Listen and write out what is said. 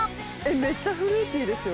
めっちゃフルーティーですよ。